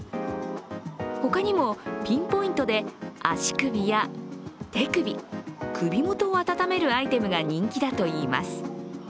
他にもピンポイントで足首や手首、首元を暖めるアイテムが人気だといいます。